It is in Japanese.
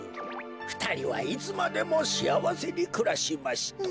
ふたりはいつまでもしあわせにくらしました」。